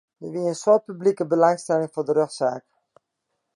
Der wie in soad publike belangstelling foar de rjochtsaak.